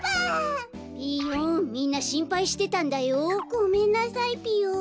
ごめんなさいぴよ。